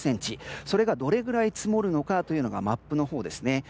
それがどれくらい積もるのかというのがマップのほうですね。